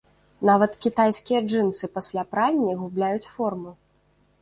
Нават кітайскія джынсы пасля пральні губляюць форму.